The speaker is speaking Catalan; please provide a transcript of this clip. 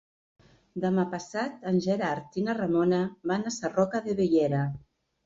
Demà passat en Gerard i na Ramona van a Sarroca de Bellera.